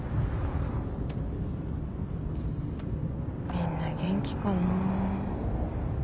みんな元気かなぁ。